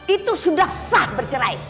itu sudah sah bercerai